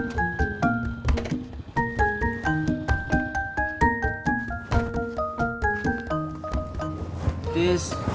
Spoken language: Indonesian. dis bapak teh lapar